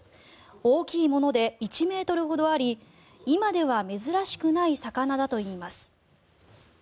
大きいもので１ｍほどあり今では珍しくない魚だといいます。